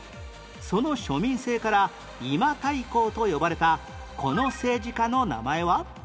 その庶民性から今太閤と呼ばれたこの政治家の名前は？